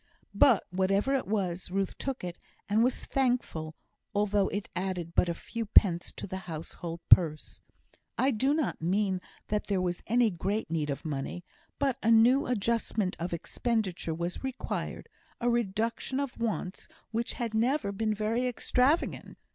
But whatever it was, Ruth took it, and was thankful, although it added but a few pence to the household purse. I do not mean that there was any great need of money; but a new adjustment of expenditure was required a reduction of wants which had never been very extravagant.